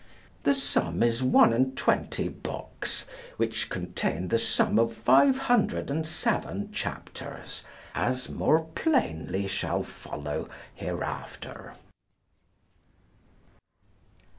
The sum is 21 books, which contain the sum of five hundred and seven chapters, as more plainly shall follow hereafter.